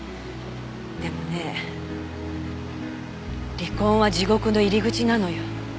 でもね離婚は地獄の入り口なのよ。